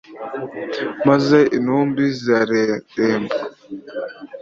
maze intumbi zirareremba